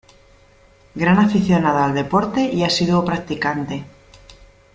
Gran aficionado al deporte y asiduo practicante.